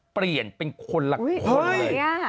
เปลี่ยนเป็นคนละคนเลย